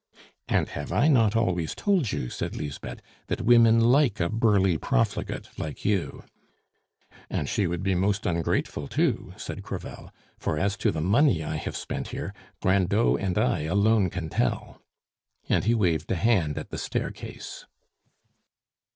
"And have I not always told you," said Lisbeth, "that women like a burly profligate like you?" "And she would be most ungrateful, too," said Crevel; "for as to the money I have spent here, Grindot and I alone can tell!" And he waved a hand at the staircase.